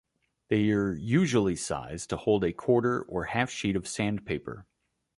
They are usually sized to hold a quarter or half sheet of sandpaper.